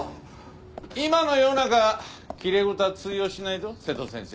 今の世の中きれい事は通用しないぞ瀬戸先生。